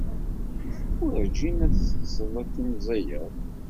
Werjin ad talsed ad timẓiyed.